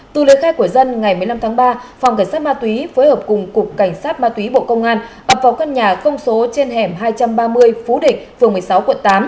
từ lời khai của dân ngày một mươi năm tháng ba phòng cảnh sát ma túy phối hợp cùng cục cảnh sát ma túy bộ công an ập vào căn nhà không số trên hẻm hai trăm ba mươi phú định phường một mươi sáu quận tám